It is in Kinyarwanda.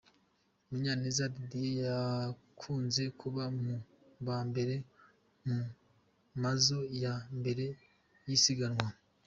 Munyaneza Didier yakunze kuba mu ba mbere mu mazo ya mbere y'isiganwa.